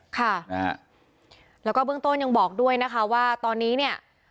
ค่ะนะฮะแล้วก็เบื้องต้นยังบอกด้วยนะคะว่าตอนนี้เนี่ย